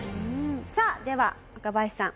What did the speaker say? さあでは若林さん